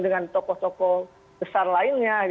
dengan tokoh tokoh besar lainnya